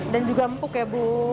dan juga empuk ya bu